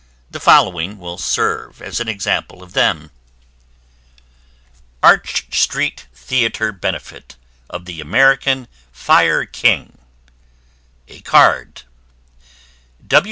The following will serve as a sample of them: ARCH STREET THEATRE BENEFIT OF THE AMERICAN FIRE KING A CARD.